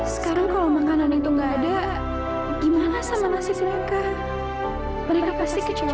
sekarang kalau makanan itu enggak ada gimana sama nasi singka mereka pasti kecewa belum